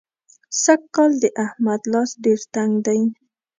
سږکال د احمد لاس ډېر تنګ دی.